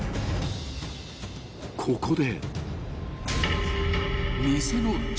［ここで］